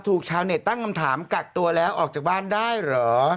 ชาวเน็ตตั้งคำถามกักตัวแล้วออกจากบ้านได้เหรอ